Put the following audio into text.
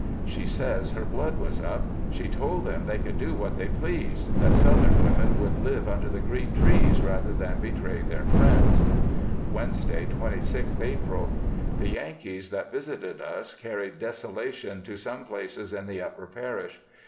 She says her blood was up; she told them they could do what they pleased; that Southern women would live under the green trees rather than betray their friends. Wednesday, 26th April. The Yankees that visited us carried desolation to some places in the upper Parish.